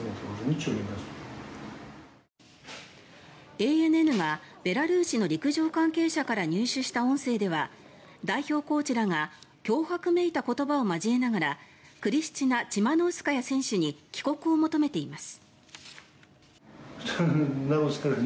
ＡＮＮがベラルーシの陸上関係者から入手した音声では代表コーチらが脅迫めいた言葉を交えながらクリスチナ・チマノウスカヤ選手に帰国を求めています。